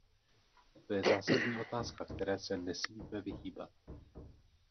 To je zásadní otázka, které se nesmíme vyhýbat.